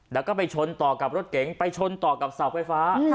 แล้วก็ไปชนต่อกับรถเก๋งไปชนต่อกับเสาไฟฟ้า